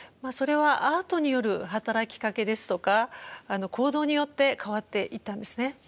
それはアートによる働きかけですとか行動によって変わっていったんですね。